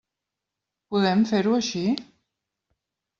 Podem fer-ho així?